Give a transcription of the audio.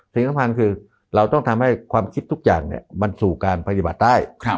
สิ่งสำคัญคือเราต้องทำให้ความคิดทุกอย่างมันสู่การปฏิบัติได้